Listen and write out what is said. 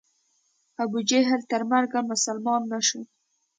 ابو جهل تر مرګه مسلمان نه سو.